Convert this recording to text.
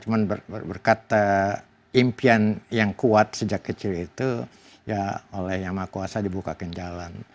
cuma berkata impian yang kuat sejak kecil itu ya oleh yang makuasa dibukakan jalan